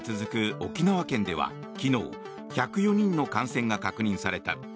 沖縄県では昨日、１０４人の感染が確認された。